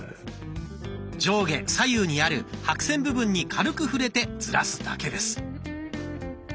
上下左右にある白線部分に軽く触れてずらすだけです。